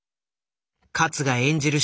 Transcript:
勝が演じる